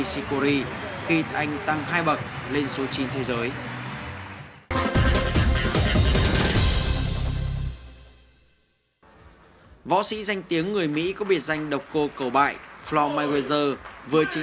xin kính chào và hẹn gặp lại